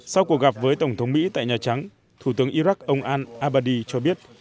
sau cuộc gặp với tổng thống mỹ tại nhà trắng thủ tướng iraq ông al abadi cho biết